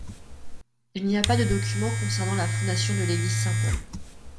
Il n'y a pas de documents concernant la fondation de l'église Saint-Paul.